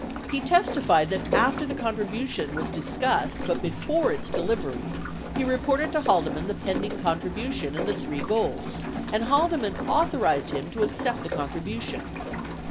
He testified that after the contribution was discussed but before its delivery, he reported to Haldeman the pending contribution and the three goals, and Haldeman authorized him to accept the con tribution.